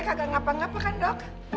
entara satu cai mabokado ya